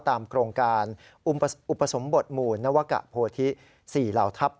โครงการอุปสมบทหมู่นวกะโพธิ๔เหล่าทัพ